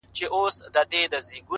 د ښه کار دوام شخصیت جوړوي.!